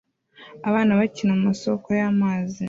Abana bakina mu masoko y'amazi